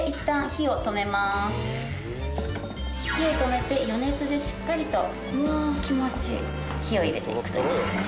火を止めて余熱でしっかりともう気持ち火を入れていくといいですね。